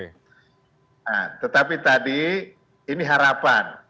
nah tetapi tadi ini harapan